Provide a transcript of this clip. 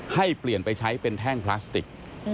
ให้เปลี่ยนไปใช้เป็นแท่งพลาสติก